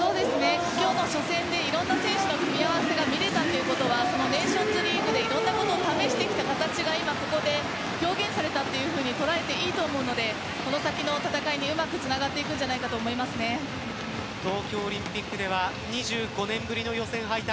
今日の初戦でいろんな選手の組み合わせが見れたということはネーションズリーグでいろんなことを試した形が今ここで表現されたと捉えていいと思うのでこの先の戦いにうまくつながっていくんじゃ東京オリンピックでは２５年ぶりの予選敗退